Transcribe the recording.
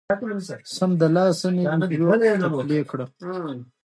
سمدلاسه مې ویډیو ورته پلې کړه